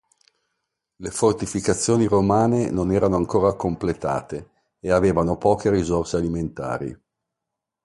Le fortificazioni romane non erano ancora completate ed avevano poche risorse alimentari.